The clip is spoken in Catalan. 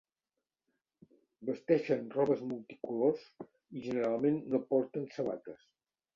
Vesteixen robes multicolors i generalment no porten sabates.